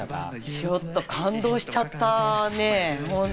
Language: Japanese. ちょっと感動しちゃったね。